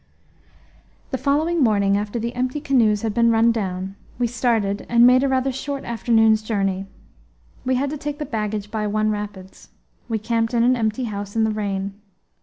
The following morning, after the empty canoes had been run down, we started, and made a rather short afternoon's journey. We had to take the baggage by one rapids. We camped in an empty house, in the rain.